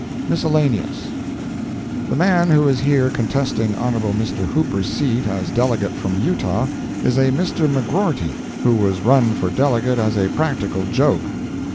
Miscellaneous. The man who is here contesting Hon. Mr. Hooper's seat as delegate from Utah, is a Mr. McGrorty, who was run for delegate as a practical joke.